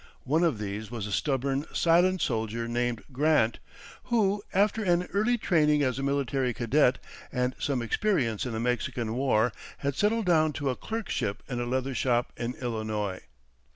One of these was a stubborn, silent soldier named Grant, who, after an early training as a military cadet, and some experience in the Mexican war, had settled down to a clerkship in a leather shop in Illinois.